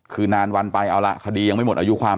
คือนานวันไปเอาล่ะคดียังไม่หมดอายุความ